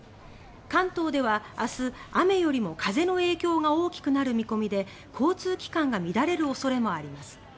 関東では明日、雨よりも風の影響が大きくなる見込みで交通機関が乱れる恐れもあります。